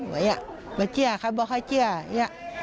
โอ้ไอ้หวากพี่ก้าวบอกแค่แก้ว